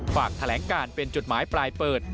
ฝากแถลงการเป็นจุดหมายปลายเปิด